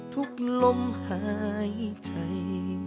ทุกลมหายใจ